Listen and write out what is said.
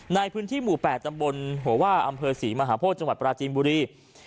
ในพื้นที่หมู่๘ตำบลหัวว่าอำเภอศรีมหาโพธิจังหวัดปราจีนบุรี